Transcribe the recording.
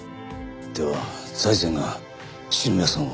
では財前が篠宮さんを。